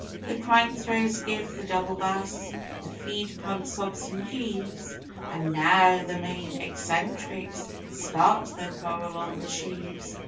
The crank throws give the double bass; the feed pump sobs an' heaves: An' now the main eccentrics start their quarrel on the sheaves.